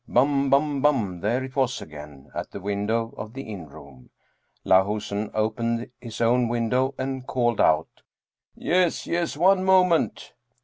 Bum bum bum there it was again, at the window of the inn room. Lahusen opened his own window and called out, " Yes, yes, one moment."